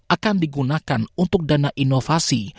akan digunakan untuk dana inovasi